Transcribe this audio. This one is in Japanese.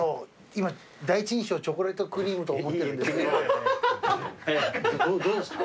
今第一印象チョコレートクリームと思ってるんですけどどうですか？